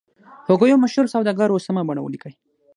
هوګو یو مشهور سوداګر و سمه بڼه ولیکئ.